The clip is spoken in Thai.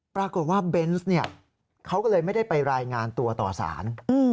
ปรากฏว่าเบนส์เขาก็เลยไม่ได้ไปรายงานตัวต่อสาร